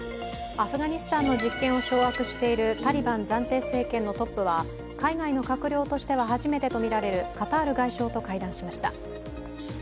アフガニスタンの実権を掌握しているタリバン暫定政権のトップは海外の閣僚としては初めてとみられるカタール外相と会談しました。